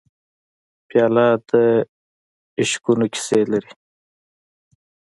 پیاله د عشقونو کیسې لري.